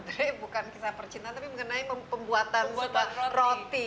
ini sebenarnya madre bukan kisah percintaan tapi mengenai pembuatan roti